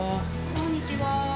こんにちは。